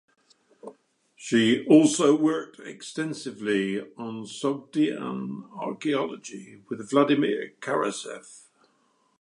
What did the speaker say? She also worked extensively on Sogdian archaeology with Vladimir Karasev.